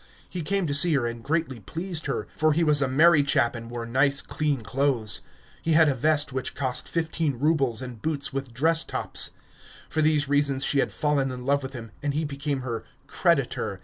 He came to see her and greatly pleased her, for he was a merry chap and wore nice clean clothes. He had a vest which cost fifteen rubles and boots with dress tops. For these reasons she had fallen in love with him, and he became her "creditor."